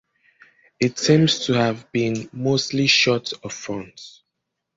It seems to have been mostly short of funds.